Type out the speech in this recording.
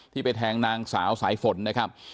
ไปแทงนางสาวสายฝนนะครับ